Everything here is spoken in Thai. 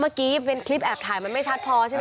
เมื่อกี้เป็นคลิปแอบถ่ายแล้วไม่ชัดพอไหมฮะ